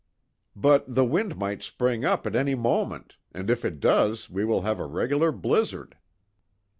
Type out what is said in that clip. "But, the wind might spring up at any moment, and if it does we will have a regular blizzard."